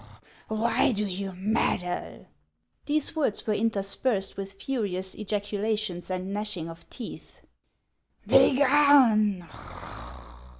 Why do you meddle ?" These words were interspersed with furious ejaculations and gnashing of teeth. " Begone